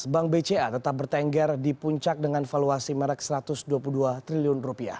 bank bca tetap bertengger di puncak dengan valuasi merek rp satu ratus dua puluh dua triliun